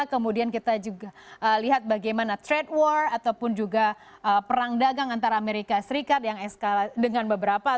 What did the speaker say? kemudian kita juga lihat bagaimana trade war ataupun juga perang dagang antara amerika serikat yang eskalasi dengan beberapa